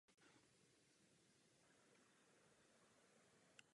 Později přešel ke kytaře.